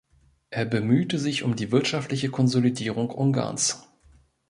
Er bemühte sich um die wirtschaftliche Konsolidierung Ungarns.